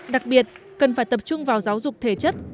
đặc biệt cần phải tập trung vào giáo dục thể chất